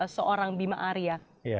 seorang bima arya